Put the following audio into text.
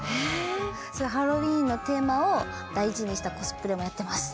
そういうハロウィーンのテーマを大事にしたコスプレもやってます。